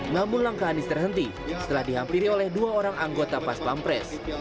namun langkah anies terhenti setelah dihampiri oleh dua orang anggota pas pampres